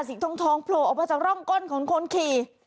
ทองโผล่ออกมาจากร่องก้นของคนขี่